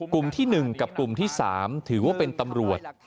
กลุ่มที่๑กับกลุ่มที่๓ถือว่าเป็นตำรวจ